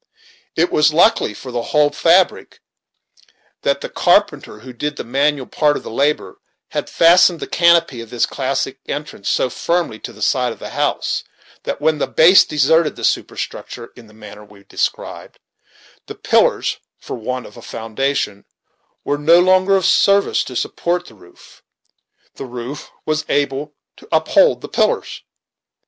It was lucky for the whole fabric that the carpenter, who did the manual part of the labor, had fastened the canopy of this classic entrance so firmly to the side of the house that, when the base deserted the superstructure in the manner we have described, and the pillars, for the want of a foundation, were no longer of service to support the roof, the roof was able to uphold the pillars.